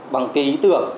bằng cái ý tưởng